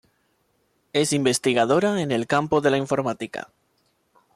Es investigadora en el campo de la informática.